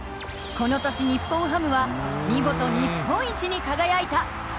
この年日本ハムは見事日本一に輝いた。